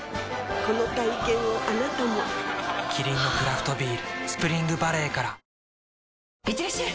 この体験をあなたもキリンのクラフトビール「スプリングバレー」からいってらっしゃい！